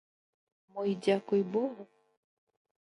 Мо й дзякуй богу?